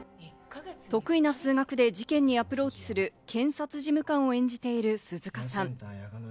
得意な数学で事件にアプローチする検察事務官を演じている鈴鹿さん。